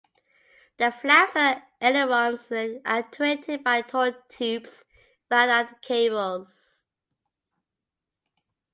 The flaps and ailerons are actuated by torque tubes, rather than cables.